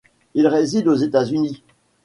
Il réside aux États-Unis.